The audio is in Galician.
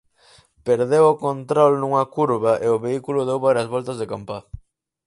Perdeu o control nunha curva e o vehículo deu varias voltas de campá.